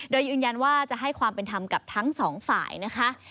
โดยยืนยันว่าจะให้ความเป็นธรรมกับทั้งสองฝ่ายนะคะ